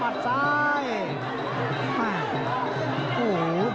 อ้าวเดี๋ยวดูยก๓นะครับ